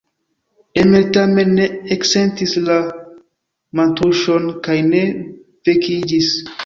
Emil tamen ne eksentis la mantuŝon kaj ne vekiĝis.